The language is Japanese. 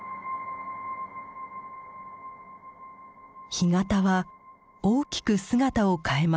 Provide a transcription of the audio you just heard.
干潟は大きく姿を変えます。